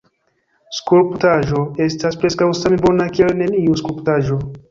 Skulptaĵo estas preskaŭ same bona kiel neniu skulptaĵo.